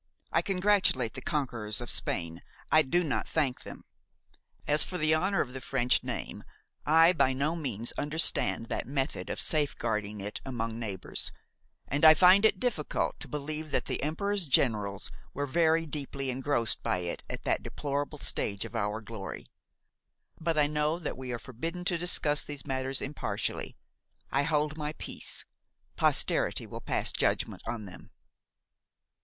I congratulate the conquerors of Spain, I do not thank them. As for the honor of the French name, I by no means understand that method of safeguarding it among neighbors, and I find it difficult to believe that the Emperor's generals were very deeply engrossed by it at that deplorable stage of our glory; but I know that we are forbidden to discuss these matters impartially; I hold my peace, posterity will pass judgment on them.